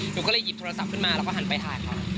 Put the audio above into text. หนูก็เลยหยิบโทรศัพท์ขึ้นมาแล้วก็หันไปถ่ายเขา